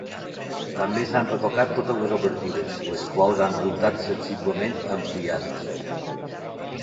També s'han retocat totes les obertures, les quals han resultat sensiblement ampliades.